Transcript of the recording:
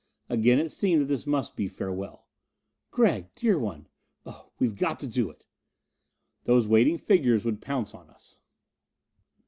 Again it seemed that this must be farewell. "Gregg, dear one oh, we've got to do it!" Those waiting figures would pounce on us.